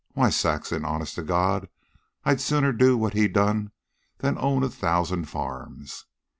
Why, Saxon, honest to God, I'd sooner do what he done than own a thousan' farms.